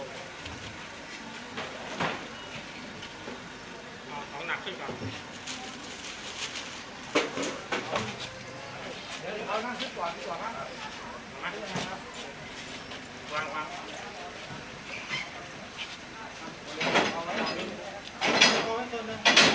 ของพนักขึ้นก่อน